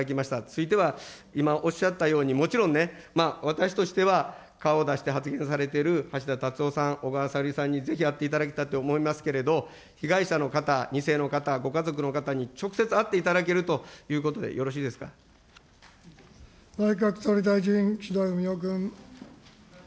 ついては、今おっしゃったように、もちろんね、私としては顔を出して発言されている橋田達夫さん、小川さゆりさんにぜひ会っていただきたいと思いますけれども、被害者の方、２世の方、ご家族の方に直接会っていただけるというこ内閣総理大臣、岸田文雄君。